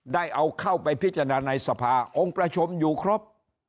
ได้เอาเข้าไปพิจารณาในสภาองค์ประชุมอยู่ครบ